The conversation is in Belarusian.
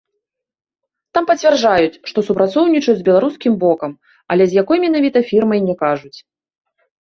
Там пацвярджаюць, што супрацоўнічаюць з беларускім бокам, але з якой менавіта фірмай, не кажуць.